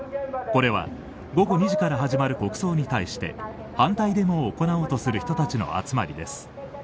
これは午後２時から始まる国葬に対して反対デモを行おうとする人たちの集まりです。